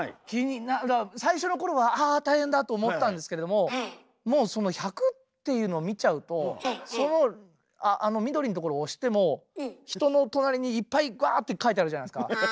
最初のころは「あ大変だ」と思ったんですけれどももうその１００っていうのを見ちゃうとその緑のところを押しても人の隣にいっぱいグワーって書いてあるじゃないですか。